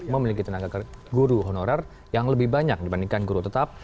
memiliki tenaga guru honorer yang lebih banyak dibandingkan guru tetap